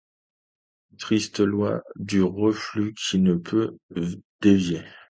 Triste loi du reflux qui ne peut dévier !